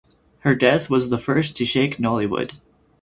Her death was the first to shake Nollywood.